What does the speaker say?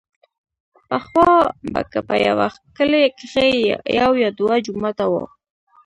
پخوا به که په يوه کلي کښې يو يا دوه جوماته وو.